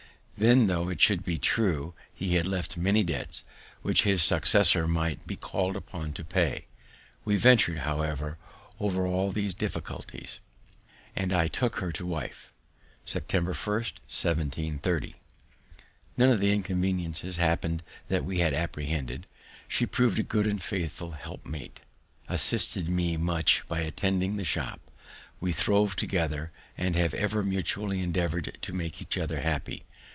Then, tho' it should be true, he had left many debts, which his successor might be call'd upon to pay. We ventured, however, over all these difficulties, and I took her to wife, September 1st, 1730. None of the inconveniences happened that we had apprehended; she proved a good and faithful helpmate, assisted me much by attending the shop; we throve together, and have ever mutually endeavour'd to make each other happy.